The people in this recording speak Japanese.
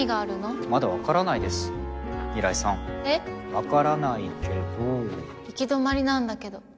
わからないけど行き止まりなんだけど。